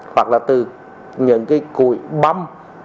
hoặc là từ những cái cụi băm